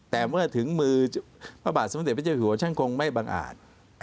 แต่เมื่อถึงมือพระบาทสมเด็จพระเจ้าอยู่หัวฉันคงไม่บังอาจ